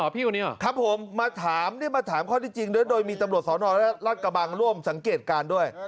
พี่เขานี่หรอครับผมมาถามมาถามข้อจริงโดยมีตำรวจสอนรรัฐกบังร่วมสังเกตการณ์ด้วย